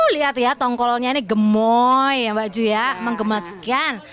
lihat ya tongkolnya ini gemoy ya mbak ju ya menggemas sekian